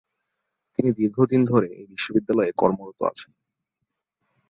তিনি দীর্ঘদিন ধরে এই বিশ্ববিদ্যালয়ে কর্মরত আছেন।